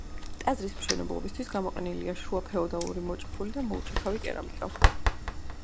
ტაძრის მშენებლობისთვის გამოყენებულია შუა ფეოდალური მოჭიქული და მოუჭიქავი კერამიკა.